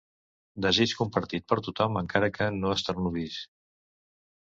Desig compartit per tothom, encara que no esternudis.